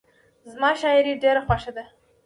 زما شاعري ډېره خوښه ده.